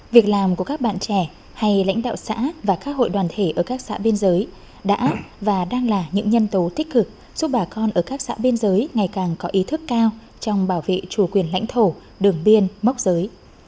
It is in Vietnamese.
việc làm của các bạn trẻ hay lãnh đạo xã và các hội đoàn thể ở các xã biên giới đã và đang là những nhân tố tích cực giúp bà con ở các xã biên giới ngày càng có ý thức cao trong bảo vệ chủ quyền lãnh thổ đường biên mốc giới